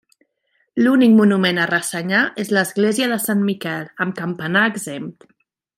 L'únic monument a ressenyar és l'església de sant Miquel, amb campanar exempt.